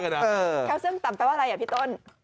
แคลเซียมต่ำตัวอะไรฮะพี่ต้น